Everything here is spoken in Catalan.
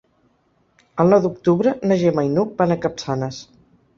El nou d'octubre na Gemma i n'Hug van a Capçanes.